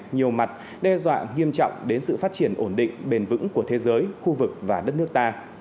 nhiều mặt đe dọa nghiêm trọng đến sự phát triển ổn định bền vững của thế giới khu vực và đất nước ta